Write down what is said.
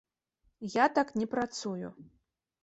Я так не працую.